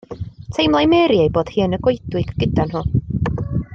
Teimlai Mary ei bod hi yn y goedwig gyda nhw.